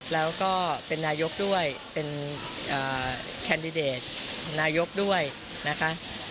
แล้วก็เป็นนายกด้วยเป็นแคนดิเดตนายกด้วยนะคะ